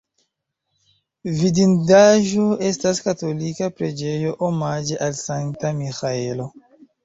Vidindaĵo estas katolika preĝejo omaĝe al Sankta Miĥaelo.